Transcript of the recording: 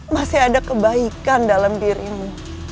masih ada kebaikan dalam dirimu